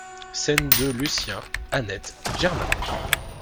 SCÈNE deux LUCIEN, ANNETTE, GERMAIN.